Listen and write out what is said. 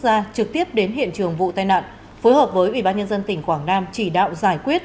ra trực tiếp đến hiện trường vụ tai nạn phối hợp với ủy ban nhân dân tỉnh quảng nam chỉ đạo giải quyết